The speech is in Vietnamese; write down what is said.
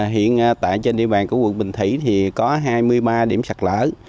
hiện tại trên địa bàn của quận bình thủy thì có hai mươi ba điểm sạt lở